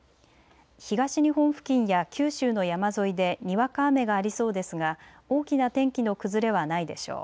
東日本付近や九州の山沿いでにわか雨がありそうですが、大きな天気の崩れはないでしょう。